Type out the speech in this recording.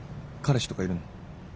彼氏とかいるの？